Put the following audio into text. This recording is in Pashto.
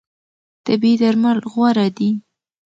طبیعي درمل غوره دي.